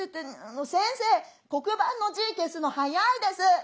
先生黒板の字消すの早いです」。